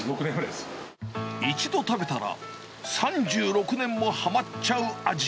一度食べたら３６年もはまっちゃう味。